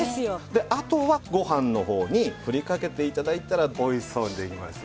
であとはご飯の方に振りかけて頂いたらおいしそうにできます。